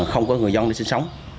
không có người dân để sinh sống